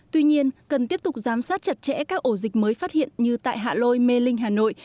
tuy nhiên cần tiếp tục giám sát chặt chẽ các ổ dịch mới phát hiện như tại hạ lôi mê linh hà nội